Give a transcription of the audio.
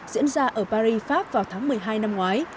diễn ra ở paris pháp vào tháng một mươi hai năm ngoái